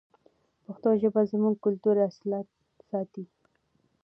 پښتو ژبه زموږ کلتوري اصالت ساتي.